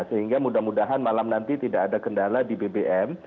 sehingga mudah mudahan malam nanti tidak ada kendala di bbm